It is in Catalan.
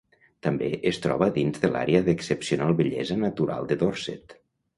També es troba dins de l'àrea d'excepcional bellesa natural de Dorset.